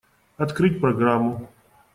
Открыть программу.